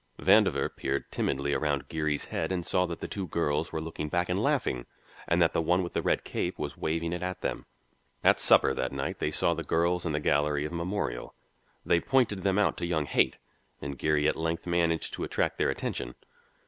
Vandover peered timidly around Geary's head and saw that the two girls were looking back and laughing, and that the one with the red cape was waving it at them. At supper that night they saw the girls in the gallery of Memorial. They pointed them out to young Haight, and Geary at length managed to attract their attention.